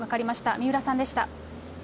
三浦さんでした。